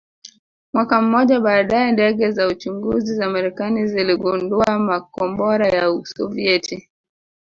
Mwaka mmoja baadae ndege za uchunguzi za Marekani ziligundua makombora ya Usovieti